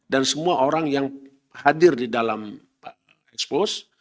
dan semua orang yang hadir di dalam ekspos